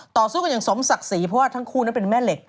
ต่อสู้กันอย่างสมศักดิ์ศรีเพราะว่าทั้งคู่นั้นเป็นแม่เหล็ก